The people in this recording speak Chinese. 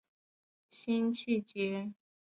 辛弃疾人。